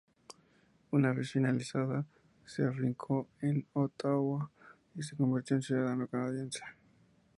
Una vez finalizada, se afincó en Ottawa y se convirtió en ciudadano canadiense.